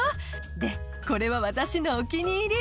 でこれは私のお気に入り。